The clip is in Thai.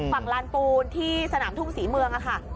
ลานปูนที่สนามทุ่งศรีเมืองค่ะ